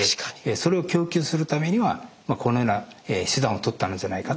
それを供給するためにはこのような手段を取ったのじゃないかと。